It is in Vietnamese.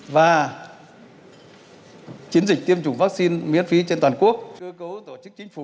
và chiến dịch tiêm chủng vaccine miễn phí trên toàn quốc